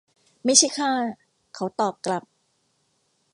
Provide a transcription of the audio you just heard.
ไม่ใช่ข้า เขาตอบกลับ